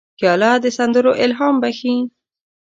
پیاله د سندرو الهام بخښي.